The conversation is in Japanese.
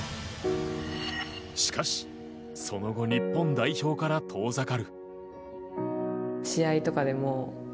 しかし、その後日本代表から遠ざかる。